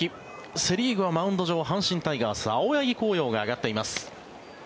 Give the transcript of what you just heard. セ・リーグはマウンド上阪神タイガース、青柳晃洋が上がっています。